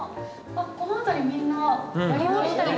この辺りみんなやりましたよね。